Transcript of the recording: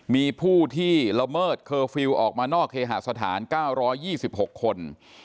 มีผู้ที่ละเมิดเคอร์ฟิลล์ออกมานอกเคหาสถาน๙๒๖คน